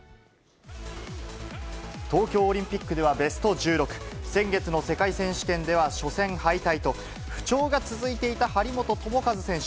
東京オリンピックではベスト１６、先月の世界選手権では初戦敗退と、不調が続いていた張本智和選手。